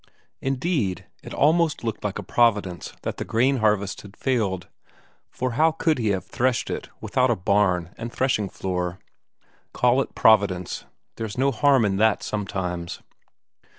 Indeed, it almost looked like a providence that the corn harvest had failed for how could he have threshed it without a barn and threshing floor? Call it providence; there's no harm in that sometimes.